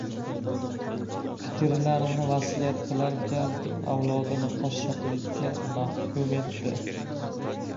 — Fikrlarini vasiyat qilarkan, avlodini qashshoqlikka mahkum etdi.